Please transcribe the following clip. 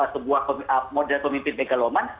sebuah modern pemimpin megaloman